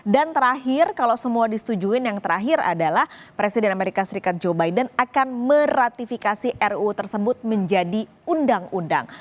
dan terakhir kalau semua disetujuin yang terakhir adalah presiden amerika serikat joe biden akan meratifikasi ruu tersebut menjadi undang undang